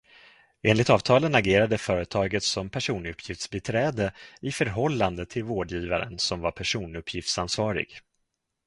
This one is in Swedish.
Enligt avtalen agerade företaget som personuppgiftsbiträde i förhållande till vårdgivaren som var personuppgiftsansvarig.